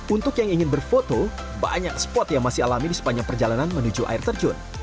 untuk yang ingin berfoto banyak spot yang masih alami di sepanjang perjalanan menuju air terjun